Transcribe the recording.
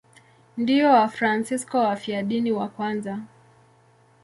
Ndio Wafransisko wafiadini wa kwanza.